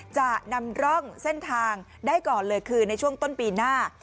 จะนำร่องเส้นทางได้ก่อนเลยคือในช่วงต้นปีหน้า